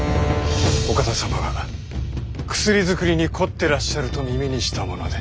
お方様が薬作りに凝ってらっしゃると耳にしたもので。